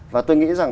và tôi nghĩ rằng